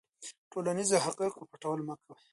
د ټولنیزو حقایقو پټول مه کوه.